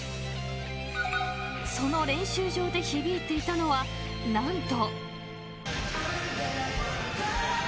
その練習場で響いていたのは何と。